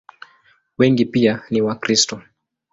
Wengi pia ni Wakristo.